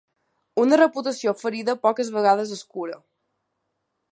Una reputació ferida poques vegades es cura.